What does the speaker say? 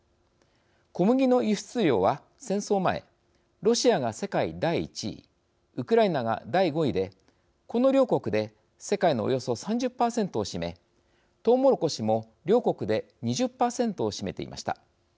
小麦の輸出量は、戦争前ロシアが世界第１位ウクライナが第５位でこの両国で世界のおよそ３０％を占めとうもろこしも両国で２０％を占めていました。